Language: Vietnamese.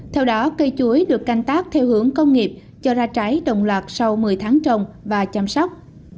theo đó cây chuối được canh tác theo hướng công nghiệp cho ra trái đồng loạt sau một mươi tháng trồng và chăm sóc